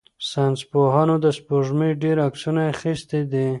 ساینس پوهانو د سپوږمۍ ډېر عکسونه اخیستي دي.